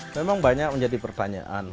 memang banyak menjadi pertanyaan